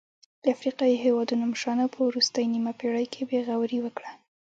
د افریقايي هېوادونو مشرانو په وروستۍ نیمه پېړۍ کې بې غوري وکړه.